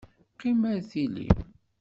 Qqim ar tili!